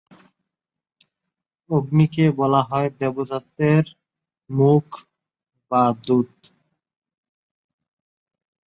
অগ্নিকে বলা হয় দেবতাদের মুখ বা দূত।